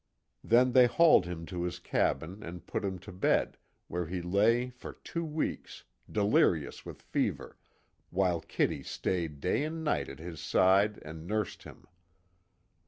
Then they hauled him to his cabin and put him to bed, where he lay for two weeks, delirious with fever, while Kitty stayed day and night at his side and nursed him.